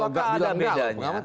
apakah ada bedanya